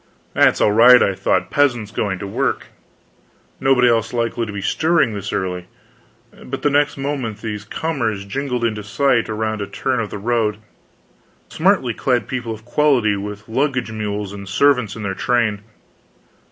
That is all right, I thought peasants going to work; nobody else likely to be stirring this early. But the next moment these comers jingled into sight around a turn of the road smartly clad people of quality, with luggage mules and servants in their train!